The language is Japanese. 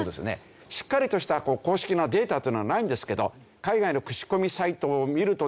しっかりとした公式のデータというのはないんですけど海外の口コミサイトを見るとですね